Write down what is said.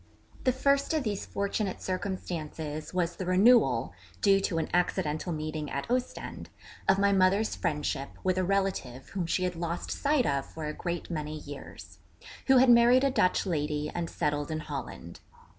The first of these fortunate circumstances was the renewal (due to an accidental meeting at Ostend) of my mother's friendship with a relative whom she had lost sight of for a great many years; who had married a Dutch lady and settled in Holland.